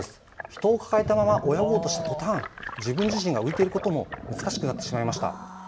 人を抱えたまま泳ごうとしたとたん自分自身が浮いておくことも難しくなってきました。